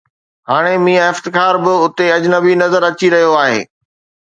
هاڻي ميان افتخار به اتي اجنبي نظر اچي رهيو آهي.